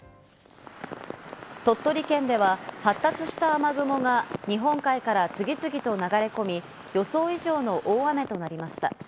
鳥取県では発達した雨雲が日本海から次々と流れ込み、予想以上の大雨となりました。